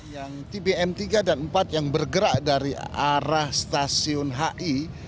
yang tbm tiga dan empat yang bergerak dari arah stasiun hi